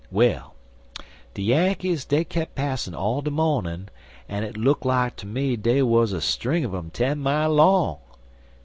Well, de Yankees, dey kep' passin' all de mawnin' en it look like ter me dey wuz a string un um ten mile long.